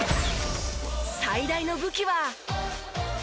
最大の武器は。